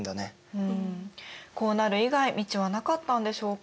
うんこうなる以外道はなかったんでしょうか。